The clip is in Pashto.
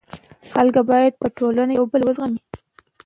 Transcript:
خلک باید په ټولنه کي یو بل و زغمي.